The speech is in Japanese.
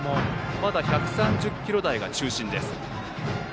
まだ１３０キロ台が中心です。